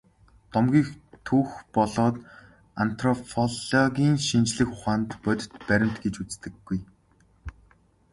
Домгийг түүх болоод антропологийн шинжлэх ухаанд бодит баримт гэж үздэггүй.